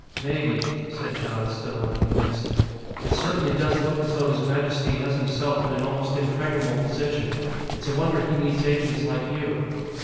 "Maybe," said Jon, still unconvinced. "It certainly does look as though His Majesty has himself in an almost impregnable position. It's a wonder he needs agents like you."